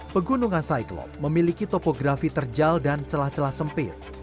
pegunungan saiklop memiliki topografi terjal dan celah celah sempit